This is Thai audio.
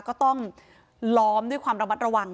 ก็ต้องล้อมด้วยความระมัดระวัง